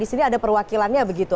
di sini ada perwakilannya begitu